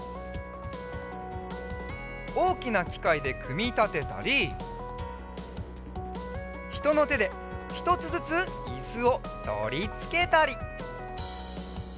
おおきなきかいでくみたてたりひとのてでひとつずついすをとりつけたり。